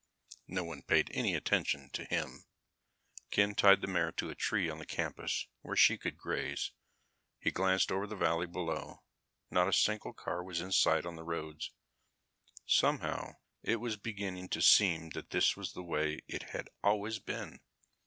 No one paid any attention to him. Ken tied the mare to a tree on the campus where she could graze. He glanced over the valley below. Not a single car was in sight on the roads. Somehow, it was beginning to seem that this was the way it had always been.